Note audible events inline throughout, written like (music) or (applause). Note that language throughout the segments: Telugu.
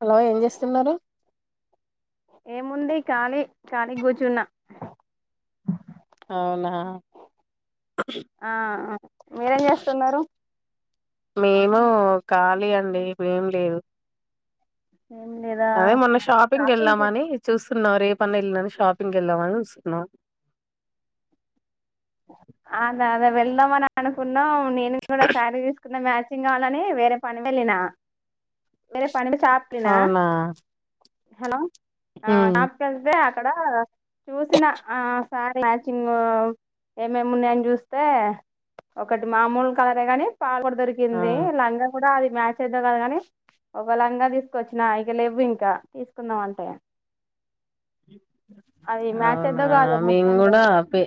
హలో ఏం జేస్తున్నరు. ఏముంది కాళీ కాళిగూచ్చున్న. ఔనా ఆ అ మీరేం జేస్తున్నారు మేము ఖాళీ అండి ఏం లేదు. ఏం లేదా అదే మొన్న షాపింగ్ కెళ్దామని చూస్. కున్నా రేపన్న ఎల్లుండన్న షాపింగ్ కెల్దామని జూస్తున్నాం. అదాదే వెళ్దామని అనుకు న్న నేను గూడా శారీ దీస్కున్న మ్యాచ్. చింగ్ కాల్లని వేరే పనిమెళ్ళిన మరపనిని అవునా (unintelligible) హెలో ఆ ఉమ్. అక్కడ చూసిన ఆ సార్ మ్యాచింగు. ఏమేమున్నాయన్ జూస్తే ఒకటి మామూల్ కలరే గాని. ఆ పాగొడదిరిగింది (unintelligible) కూడా అది. మ్యాచయిద్దో కాదో గానీ ఒక లంగా దీసుకొచ్చిన ఇక లెవ్వింక తీసుకుందామంటే. అవునా కాదో మేమ్ మొత్తానికి గూడా అయితే ఆపే.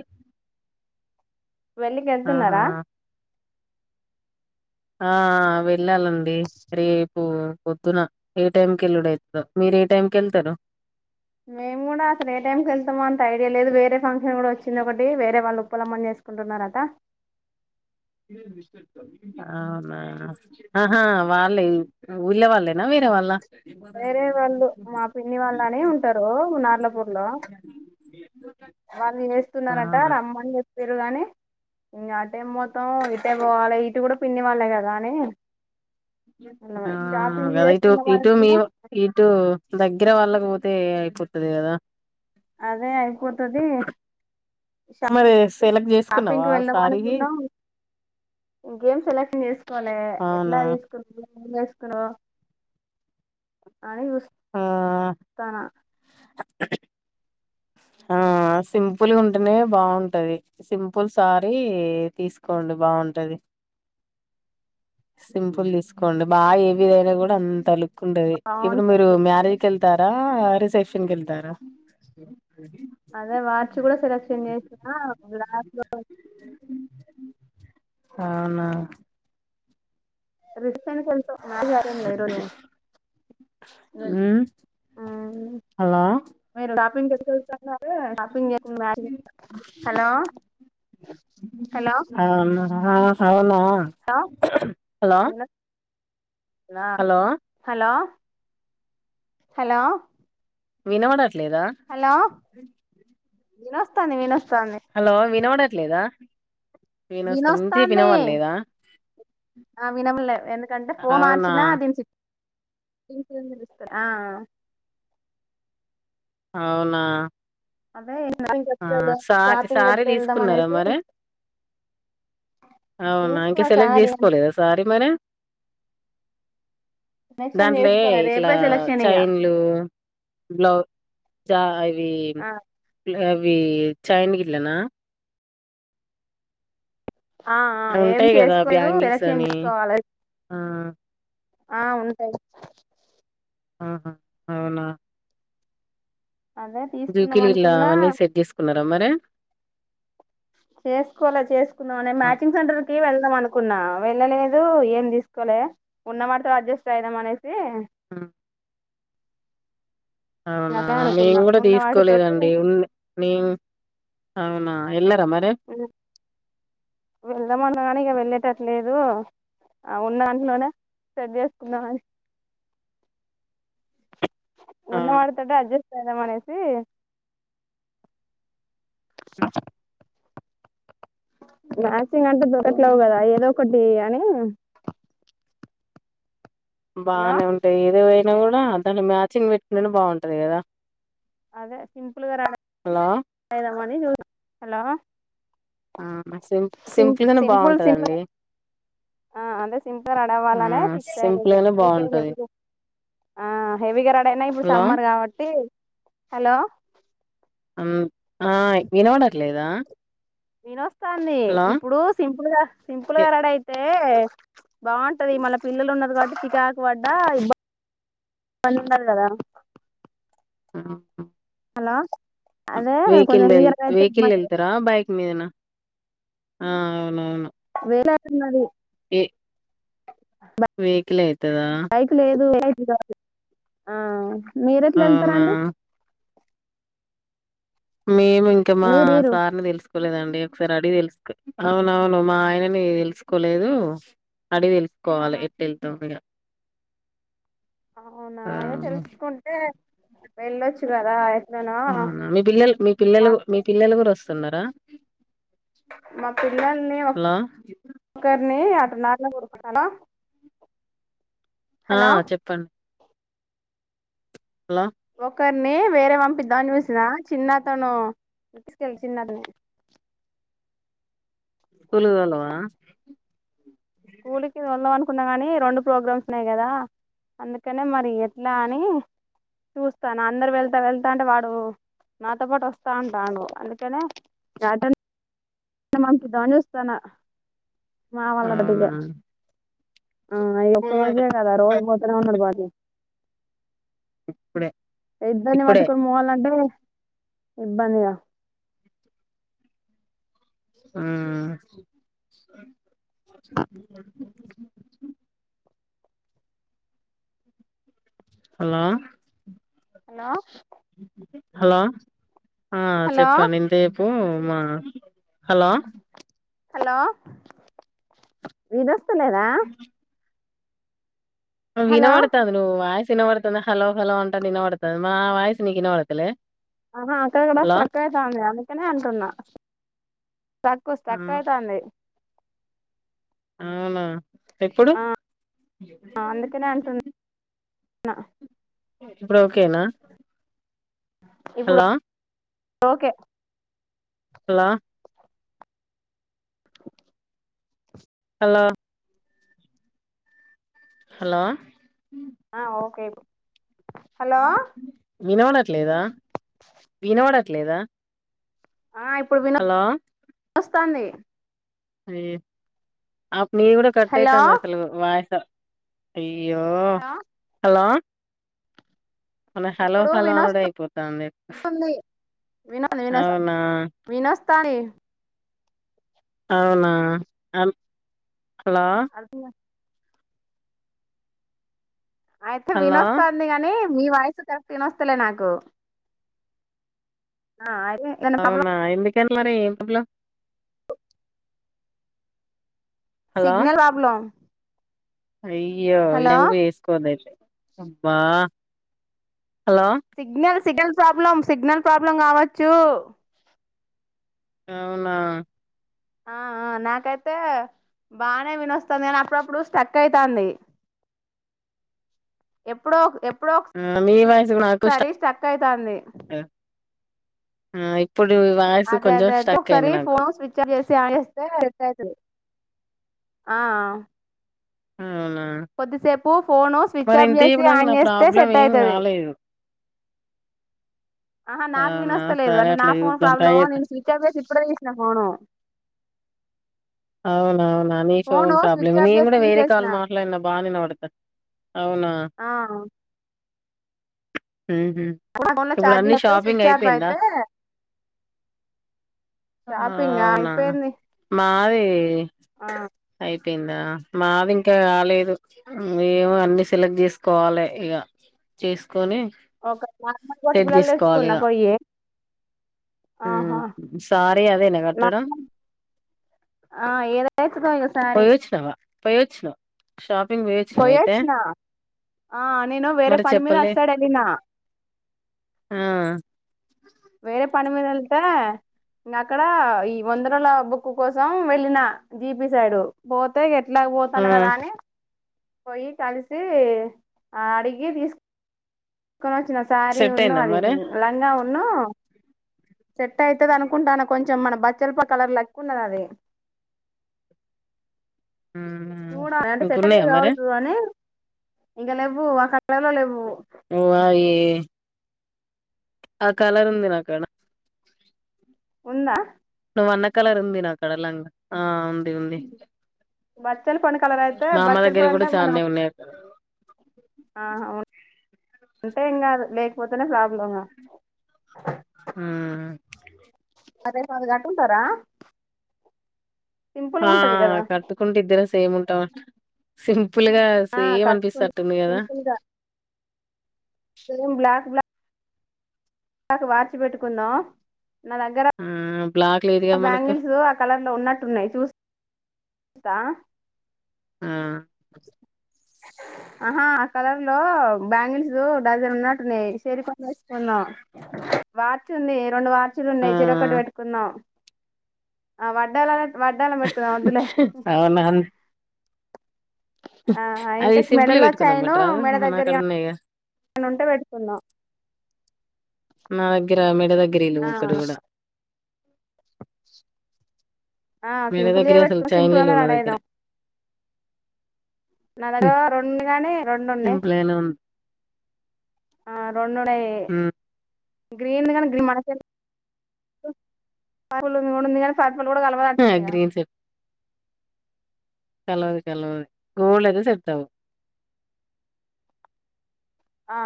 పెళ్ళికెళ్తున్నారా. అ ఆ వెళ్ళాలండి రేపు పొద్దున ఏటైంకెళ్ళుడైద్దో మీరే టైంకెళ్తరు. మేమ్ గూడా అసలేటైంకెళ్తమో అంత ఐడియా లేదు వేరే ఫంక్షన్ గూడా వచ్చిందొకటి వేరే వాళ్ళుప్పలమ్మని చేసుకుంటున్నారట. ఔనా అహా వాళ్ళే ఉళ్ళే వాళ్ళేనా వేరే వాళ్ళ. వేరే వళ్ళు మా పిన్ని వాళ్ళని ఉంటారు నార్లపూర్ లో వాళ్ళు చేస్తున్నారంట అవునా రమ్మన్ జెప్. పిర్రుగాని ఇంగాటైం మొత్తం అట్టే పోవాలే ఇటు కూడా పిన్ని వాళ్ళే కదా అని షాపింగ్ గదైతే చేసుకుందాం ఓకె ఇటు అనుకున్నాం ఇటు దగ్గర వాళ్ళకి పో తే కుత్తదే కదా అదే అయిపోతది అమరేష్ షాపింగ్కి వెళ్దాం అనుకున్నాం గేమ్ సెలెక్షన్ చేసుకోవాలే ఎట్లా అవునా తీసుకున్నా ఉర్రేస్కొని ఆ అనిస్తనా ఆ సింపుల్ ఉంటేనే బాగుంటది సింపుల్ సారీ తీసుకోండి బాగుంటది. సింపుల్ తీసుకోండి బాగా ఏ విధయినా కూడా అంత లుక్ ఉంటది ఇప్పుడు మీరు బాగుంటది మ్యారేజ్కి ఎళ్తారా ఆ రిసెప్షన్ కెల్తారా అదే మార్చి కూడా సెలెక్షన్ చేసిన బా అవునా రిష్ (unintelligible) ఉమ్ (unintelligible) హలో షాపింగ్ (unintelligible) హలో హలో అవునా ఆ అవునా హలో హలో వినొస్తుందా హలో హలో హలో వినవడట్ లేదా వినొస్తాన్ది వినొస్ హలో వినవడట్లేదా వినొస్తాంది ఆ వినంలే ఎందుకంటే ఫోన్ అవునా మార్చినా దీని తెలుస్తారు ఆ అవునా అదే షాపింగ్ ఆ ఎప్పుడు వెళ్దాం సార షాపింగ్ సారీ ఎప్పుడు వెళ్దాం తీసుకున్నారా అనేసి మరి అవునా ఇంకా తీసుకున్న సెలెక్ట్ సారీ చేసుకోలేదా సారీ మరి. సెలక్షన్ దాంట్లో ఏ చేసుకోలే ఇట్లా రేపే సెలక్షన్ ఇగ చైన్లు బ్లౌజ్ చా భీమ్ ఆ అవి చైన్ గిట్లనా ఆ ఆ అవి ఏం ఉంటాయి కదా చేసుకోదు బ్యాంగిల్స్ ఎలక్షన్ అని తీసుకోవాలి ఆ ఆ ఉంటాయ్ ఆహా అవునా అదే తీసుకుందాం జూకిలి గిట్లా అనుకున్నా అవన్నీ సెట్ చేసుకున్న ర మరే చేసుకోలే చేసుకుందాం అనే ఆహా! మ్యాచింగ్ సెంటర్ కి వెళ్దాం అనుకున్నా వెళ్ళలేదు ఏం తీసుకోలే ఉన్నమాడతో అడ్జస్ట్ అయిదాం అనే ఆ అవునా అట్లే మేము అనుకున్నా కూడా ఉన్న వాటితోటి తీసుకోలేదండి ఉ నీం అవునా ఎ వెళ్దాం అన్నాగాని ఇగ వెళ్ళేటట్ లేదు ఉన్నాంట్లోనే సెట్ చేసుకుందామని అవును ఉన్నవాటితోటే అడ్జస్ దమనేసి హ్మ్. మ్యాచింగ్ అంటే దొకట్లేవు కదా ఏదో ఒకటి అని హలో బానే ఉంటాయి ఏదో కూడా దాన్ని మ్యాచింగ్ పెట్టిననే బాగుంటది కదా అదే సింపుల్గా రా హలో అయిదామని (unintelligible) హలో ఆ సిం సింపుల్గానే సింపుల్ సింపుల్ బావుంటదండి ఆ అదే సింపుగా రడవ్వాలనే ఫిక్స్ అయ్యానా సింపుల్ ఇక గానే అయితే బాగుంటది హెవగా హెవీగా రడయినా ఇప్పుడు హలో సమ్మర్ గాబట్టి హలో అం ఆ వినబడ లేదా వినోస్తాంది ఇప్పుడు సింపుల్ గా ఎ సింపుల్గా రడ అయితే ఏ బాంటది మళ పిల్లలు ఉన్నది కాబట్టి చికాకు పడ్డ ఇబ ఇబ్బంది ఉన్నారు కదా ఆ హలో అదే వెహికిల్ కొంచెం హెవీగా రెడీ అయితే వెహికల్ ఇబ్బంది వెల్తరా బైక్ మీదనా ఆ నవును ఉన్నది ఏ వెహికల్ అవుతుదా కాదు ఆ మీరు ఎట్లా అవునా వెళ్తారండి మేము ఇంకా మా మీరు మీరు సార్ని తెలుసు తెలీదండి ఒకసారి అడిగి తెలుసుక్ అవునవును మా ఆయనని తెలుసుకోలేదు. అడిగి ఆ తెలుసుకోవాలి ఎట్లెళ్తోందిగా అవునా ఆ అదె తెలుసుకుంటే వెళ్ళొచ్చు గదా అవునా మీ పిల్లలు మీ పిల్లలు మీ పిల్లలు కూడా వస్త తున్నరా మా పిల్లల్ని ఒక ఒకరిని నట్లా గుర్తున్నానా ఆ చెప్పండి హలో ఒకరిని వేరే పంపిద్దామ్ అని చూసినా చిన్నతను తీసుకెళ్ళ చిన్న స్కూలు తోలవా స్కూల్కి వెళ్దాం కున్నా కాని రెండు ప్రోగ్రామ్స్ ఉన్నాయి కదా అందుకని మరి ఎట్లా అని చూస్తాన అందరు వెళ్తా వెళ్తా అంటే వాడు నాతో పాటు వస్తా అంటాండు అందుకనే యాటన్ న పంపిద్దామనీ చుస్తానా మా అవునా వాళ్ళటటిగా ఆ అవి ఒక్క రోజే కదా రోజు పోతనే ఉన్నడు బడికి ఇప్పుడే ఇద్దరిని ఇప్పుడే బట్టుకని పోవాలంటే ఇబ్బందిగా ఉమ్ హలో హలో హలో ఆ హలో చెప్పండి ఇంతసేప్ ఉమ్ బావున్నారా హలో హలో వినేస్ పిత్తలేద వినవడతాంది నువ్ వాయిస్ విన పడుతుంద హలో హలో అంట నిన్నడతుంది మా వాయేసు నీకు విననుడతులే ఆహా అక్కడ కూడా స్టక్కు అయితాంది అందుకనే అంటన్నా స్టక్కు ఆ స్టక్కు అయితాంది అవున ఎప్పుడు ఆ న ఇప్పుడు ఓకేన హలొ ఓకె హా లో హలొ హలోయ్ ఆ ఓకె ఇప్ వినవడ్ లేదా వినవడట్లేదా హలో స్తానె అయ్యో ఆ నీ కూడ కట్ హలో అయితాంది అసలు వాయిసు ది అయ్యో హలో మన హలొ ఇప్పుడు హలోనుడ వినోస్తుంది అయిపోతాంది అవునా తా నె అవునా అన్ హలో అయితే హలో వినోస్తంది గాని మీీ వాయసు కరెక్ట్ వినొస్తలే నాకు ఆ అయి అవున ఎందు త్ మరే మల హలో సిగ్నల్ ప్రాబ్లమ్ అయ్యో ఎంగు వేస్కోదైతే అబ్బా hello signal Seidel problem signal problem కావచ్చు అవునా ఆఆ నాకైతే బానే వినిస్తుంది గాని అప్పుడప్పుడు స్టక్ అయితంది. ఎప్పుడో ఎప్పుడో మీ వాయిస్ కూడా నాకు స్టక్ ఒకసారి అయితాంది అయ్ అదే అదే అంతే ఒకసారి ఫోన్ స్విచ్ ఆఫ్ చేసి ఆన్ చేస్తే సెట్ అయితది ఆ అవునా కొద్దిసేపు ఫోను స్విచ్ మరి ఆఫ్ ఇంతకి చేసి ఇప్పుడు నాకు ఆన్ నా చేస్తే ప్రాబ్లం సెట్ ఏం అయతది కాలేదు ఆహా నాకు అవునా వినొస్తలేదు సరే అంటే నా అట్లా ఫోన్ చూద్దాం ట్రై ప్రాబ్లమ్ చేద్దాం నేను స్విచ్ ఆఫేసి ఇప్పుడే తీసిన ఫోను అవునవునా నీ phone phone problem switch off నేను చేసి కూడా వేరే తీసేసిన కాళ్లు మాట్లాడిన బానే వినబడతాది అవునా ఆ ఫోన్ లో ఇప్పుడు అన్ని ఛార్జింగ్ అయిపోయి షాపింగ్ స్విచ్ ఆఫ్ అయిపోయిందా అయితే షాపింగ్ అవునా అయిపోయింది మాది ఏ ఆ అయిపోయిందా మాది ఇంకా కాలేదు ఏమో అన్ని సెలెక్ట్ చేసుకోవాలి ఇగ చేసుకొని ఒక నార్మల్ బొట్టు బిల్లలు తెచ్చుకున్న పోయి హు ఆహా సారీ అదేనా కట్టడం ఆ ఏదైతదో ఇగ పోయ్యొచ్చునవా పోయ్యొచ్చున పోయొచ్చున ఆ నేను వేరే మరి పని మీద అటు చెప్పలే సైడ్ వెళ్ళిన ఆ వేరే పని మీద వెళ్తే ఇంగ అక్కడ ఈ వంద రోల బుక్ కోసం వెళ్ళిన జీపి సైడ్ పోతే ఎట్లాగ ఆ పోతాను కదా అని పోయి కలిసి ఆ అడిగి తీసు కొని వచ్చిన శారీ సెట్ ఉన్ను అయిందా అది మరి లంగా ఉన్ను సెట్ అయితది అనుకుంటాను కొంచెం మన (unintelligible) కలర్ ఉన్నది అది చూడాలి అంటే సెట్ ఇంకున్నాయా మరి కావచ్చు అని ఇంకా లేవు అ కలర్ లేవు ఓ అయి ఆ కలర్ ఉంది నాకాడ ఉందా వన్న కలర్ ఉంది నా కడ లంగా ఆ ఉంది ఉంది బ బచ్చల పం కలర్ అయితే మా అమ్మ బచ్చల దగ్గర పొడి అంటే కూడా మనం చాలానే ఉన్నాయి అక్కడ అంటే ఇంకా లేకపోతేనే ప్రాబ్లం నాకు హు పదై పది గంటి ఉంటారా ఆఆ కట్టుకుంటే జేలస్ తేమ్ ఉంటావంట సేమ్ సింపుల్గా ఆ సేమ్ అనిపిస్తా కట్టుకుం తట్ంది కదా మెరూన్ బ్లాక్ బ్లాక్ (unintelligible) వాచ్చ్ పెట్టుకున్నా నా దగ్గర ఆ! బ్లాక్ లేదుగా ఆ మనకు. బ్యాంగిల్సు ఆ కలర్లో ఉన్నట్టున్నాయి చూస్ కా ఆ! ఆహా ఆ కలర్ లో బ్యాంగిల్స్ డజన్ ఉన్నట్టున్నాయి సెరు సగం వేసుకున్నాం వాచ్చ్ ఉంది రెండు వాచ్ చ్చూలు ఆ! ఉన్నాయి చెరొకటి పెట్టుకున్నాం ఆ వడ్డాణాలై వడ్డానం పెట్టుకుందాం వద్దులే అవునం ఆ అది ఇంకా సింపుల్ మెడలో పెట్టుకున్నాం అంట్రా నా కాడ ఉన్నాయ్ గా నిననుంటే పెట్టుకున్న నా దగ్గర మెడ దగ్ గిరిలు ఒక్కటి కూడా ఆ మెడ సింపుల్ వే దగ్గరియి అసలు పెట్టుకోని చైన్‌లే సింపుల్గానే లేవు నా రెడీ దగ్గర. ఐయిదాం నా దగ్గర రెండు కానీ రెండు ఉన్నాయ్ సింపుల్‌గానే ఉంది. ఆ రెండు ఉన్నాయ్ హ్మ్. గ్రీన్ద్ గానే గ్రీన్ మనకు పారులు మూడుంది గానీ (unintelligible) (unintelligible) ఆ! అంటుంది గా గ్రీన్ సెట్ కలవదు కలవదు గోల్డ్ అయితే సెట్ అవు ఆ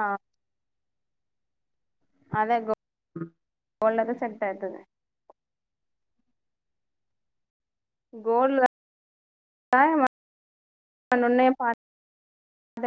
అదే గో (inaudible) గోల్డరి సెట్ అయితది గోల్డ్ (inaudible)